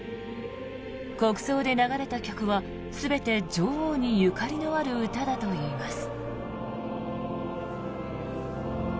国葬で流れた曲は全て女王にゆかりのある歌だといいます。